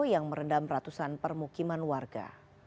yang merendam ratusan permukiman warga